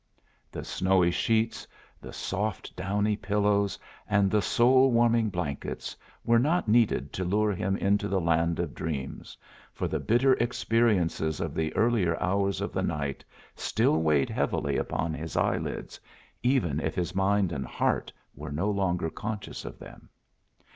The snowy sheets, the soft, downy pillows, and the soul warming blankets, were not needed to lure him into the land of dreams, for the bitter experiences of the earlier hours of the night still weighed heavily upon his eyelids, even if his mind and heart were no longer conscious of them.